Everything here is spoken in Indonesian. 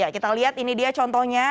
kita lihat ini dia contohnya